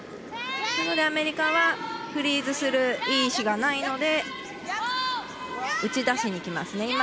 なので、アメリカはフリーズするいい石がないので打ち出しにきますね。